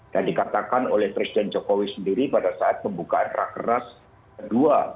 dan dikatakan oleh presiden jokowi sendiri pada saat pembukaan rak keras kedua